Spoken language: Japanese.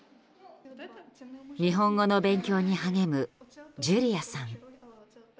日本語の勉強に励むジュリアさん。